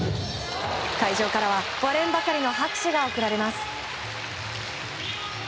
会場からは割れんばかりの拍手が送られます。